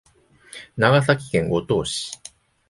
長崎県五島市